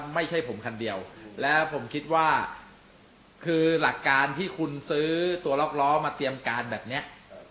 ไม่ใช่ผมคันเดียวแล้วผมคิดว่าคือหลักการที่คุณซื้อตัวล็อกล้อมาเตรียมการแบบนี้